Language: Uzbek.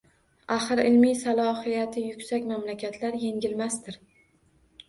Axir, ilmiy salohiyati yuksak mamlakatlar engilmasdir